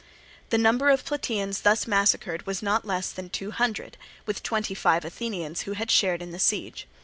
The number of Plataeans thus massacred was not less than two hundred, with twenty five Athenians who had shared in the siege.